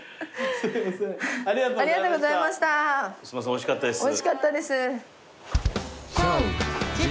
おいしかったです。